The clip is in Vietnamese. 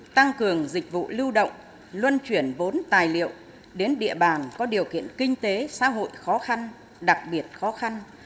tăng cường dịch vụ lưu động luân chuyển vốn tài liệu đến địa bàn có điều kiện kinh tế xã hội khó khăn đặc biệt khó khăn